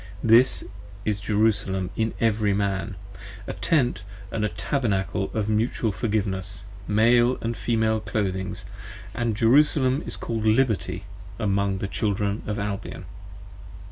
This is Jerusalem in every Man, A Tent & Tabernacle of Mutual Forgiveness, Male & Female Clothings. 5 And Jerusalem is called Liberty among the Children of Albion.